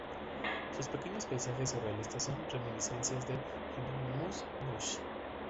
Sus pequeños paisajes surrealistas son reminiscencias de Hieronymus Bosch.